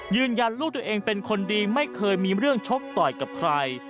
ยืนยันลูกตัวเองเป็นคนดีไม่เคยมีเรื่องชกต่อยกับใคร